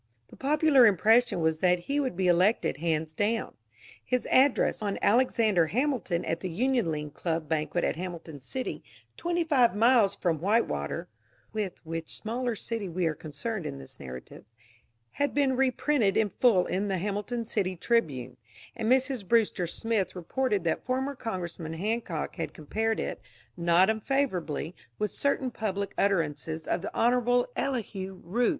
The popular impression was that he would be elected hands down. His address on Alexander Hamilton at the Union League Club banquet at Hamilton City, twenty five miles from Whitewater (with which smaller city we are concerned in this narrative), had been reprinted in full in the Hamilton City Tribune; and Mrs. Brewster Smith reported that former Congressman Hancock had compared it, not unfavorably, with certain public utterances of the Honorable Elihu Root.